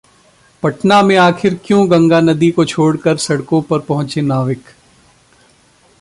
पटना में आखिर क्यों गंगा नदी को छोड़कर सड़कों पर पहुंचे नाविक?